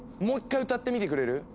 もう一回歌ってみてくれる？